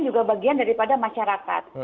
juga bagian daripada masyarakat